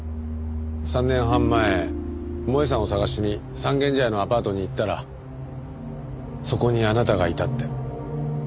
３年半前萌絵さんを捜しに三軒茶屋のアパートに行ったらそこにあなたがいたって。